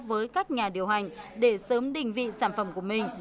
với các nhà điều hành để sớm đình vị sản phẩm của mình